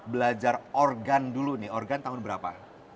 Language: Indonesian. belajar organ dulu nih organ tahun berapa